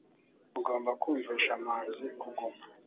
Ugomba kumvisha manzi kuguma